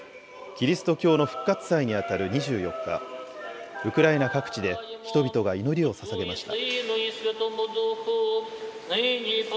キリスト教の復活祭に当たる２４日、ウクライナ各地で人々が祈りをささげました。